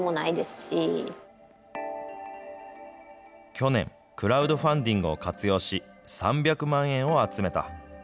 去年、クラウドファンディングを活用し、３００万円を集めた。